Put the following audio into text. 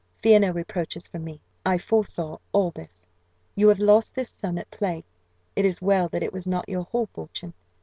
Fear no reproaches from me I foresaw all this you have lost this sum at play: it is well that it was not your whole fortune.